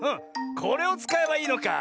これをつかえばいいのか。